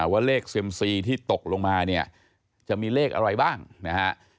ว่าเลขเซียมซีที่ตกลงมาเนี่ยจะมีเลขอะไรบ้างนะฮะ